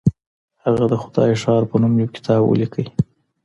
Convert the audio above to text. هغه د خدای ښار په نوم يو کتاب وليکه.